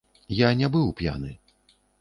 Я не быў п'яны.